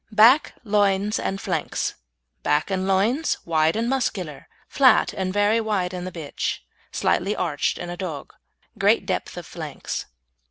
BACK, LOINS AND FLANKS Back and loins wide and muscular; flat and very wide in a bitch, slightly arched in a dog. Great depth of flanks.